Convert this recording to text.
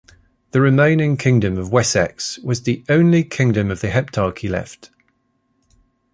The remaining kingdom of Wessex was the only kingdom of the Heptarchy left.